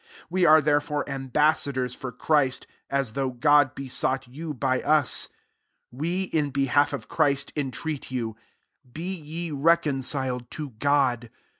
20 We are there ore ambassadors for Christ, B though God besought you iy us : we, in behalf of Christ, jn treat you, "Be ye reconciled to God."